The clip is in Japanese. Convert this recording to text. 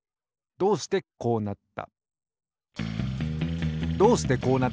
どうしてこうなった？